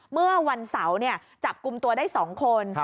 เมื่อวันเสาร์จับกลุ่มตัวได้๒คน